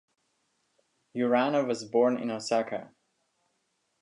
Urano was born in Osaka.